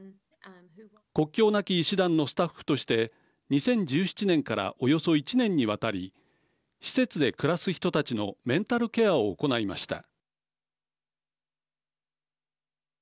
国境なき医師団のスタッフとして２０１７年からおよそ１年にわたり施設で暮らす人たちのメンタルケアを行いました。